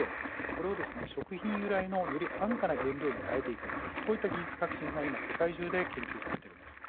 これを食品由来の安価な原料に変えていくこういった技術革新が世界中で研究されています。